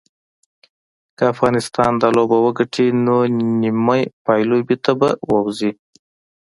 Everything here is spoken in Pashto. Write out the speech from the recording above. که افغانستان دا لوبه وګټي نو نیمې پایلوبې ته به ووځي